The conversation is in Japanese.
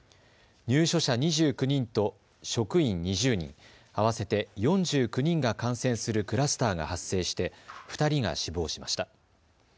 入所者２９人と職員２０人合わせて４９人が感染するクラスターが発生して２人が死亡しました。